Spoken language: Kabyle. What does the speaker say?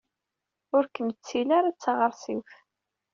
Ur kem-ttili ara d taɣersiwt!